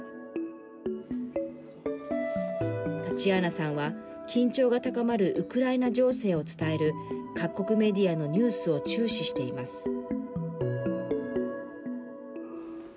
タチヤーナさんは緊張が高まるウクライナ情勢を伝える各国メディアのニュースを注視しています。